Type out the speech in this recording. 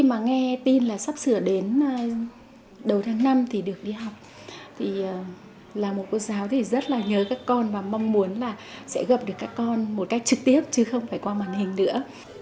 mình mong muốn là sẽ gặp được các con một cách trực tiếp chứ không phải qua màn hình nữa